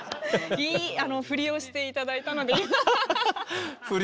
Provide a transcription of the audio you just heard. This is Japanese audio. いいフリをしていただいたので、今。